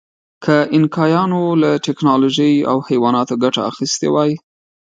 که اینکایانو له ټکنالوژۍ او حیواناتو ګټه اخیستې وای.